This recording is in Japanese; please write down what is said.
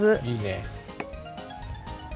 いいね。